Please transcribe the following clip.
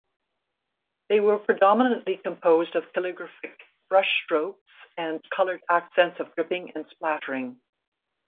They were predominantly composed of calligraphic brushstrokes and colored accents of dripping and splattering.